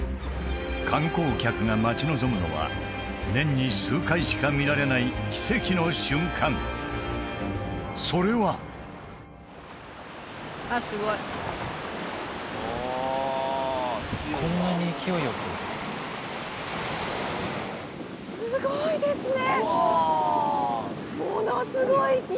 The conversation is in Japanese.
観光客が待ち望むのは年に数回しか見られない奇跡の瞬間それはすごいですね！